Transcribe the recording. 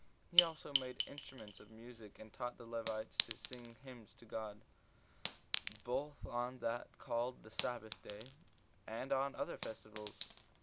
He also made instruments of music, and taught the Levites to sing hymns to God, both on that called the sabbath day, and on other festivals.